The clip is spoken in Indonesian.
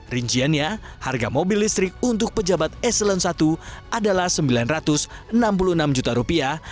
rinciannya harga mobil listrik untuk pejabat eselon i adalah sembilan ratus enam puluh enam juta rupiah